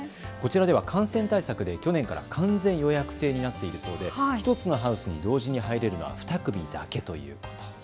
こちらでは感染対策で去年から完全予約制になっているそうで１つのハウスに同時に入れるのは２組だけということ。